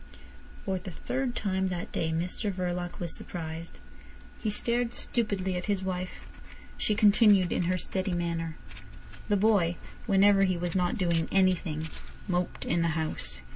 For the third time that day Mr Verloc was surprised. He stared stupidly at his wife. She continued in her steady manner. The boy, whenever he was not doing anything, moped in the house.